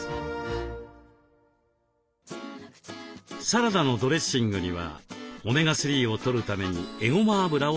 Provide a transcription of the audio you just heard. サラダのドレッシングにはオメガ３をとるためにえごま油を使います。